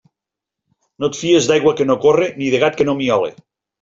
No et fies d'aigua que no corre ni de gat que no miole.